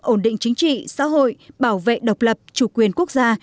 ổn định chính trị xã hội bảo vệ độc lập chủ quyền quốc gia